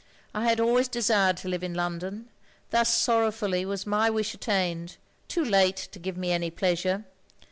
I had always desired to live in London, thus sorrowfully was my wish attained — ^too late to give me any pleasure.